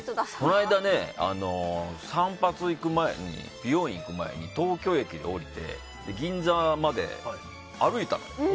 この間、美容院行く前に東京駅で降りて銀座まで歩いたのよ。